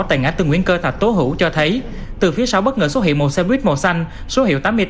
tại ngã tường nguyễn cơ thạch tố hữu cho thấy từ phía sau bất ngờ số hiệu